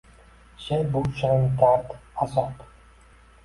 – She’r, bu – shirin dard, azob.